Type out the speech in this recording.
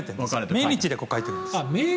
命日で書いてるんです。